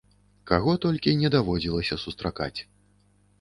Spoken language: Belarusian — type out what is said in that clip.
Каго толькі не даводзілася сустракаць!